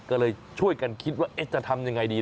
ก็เลยช่วยกันคิดว่าจะทำยังไงดี